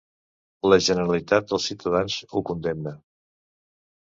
La generalitat dels ciutadans ho condemna.